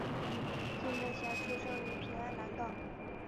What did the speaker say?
金德贤出生于平安南道。